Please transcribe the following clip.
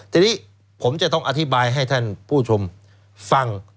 ทีนี้ผมจะต้องอธิบายให้ท่านผู้ชมฟัง